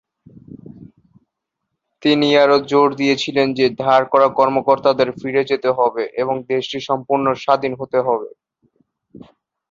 তিনি আরও জোর দিয়েছিলেন যে ধার করা কর্মকর্তাদের ফিরে যেতে হবে এবং দেশটি সম্পূর্ণ স্বাধীন হতে হবে।